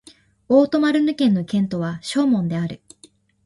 オート＝マルヌ県の県都はショーモンである